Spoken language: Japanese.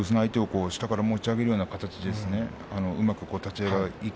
相手を下から持ち上げるような形ですね。